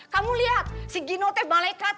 kamu liat si gino tuh malekat